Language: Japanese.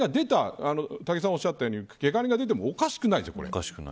武井さんがおっしゃったようにけが人が出てもおかしくないでしょう、これ。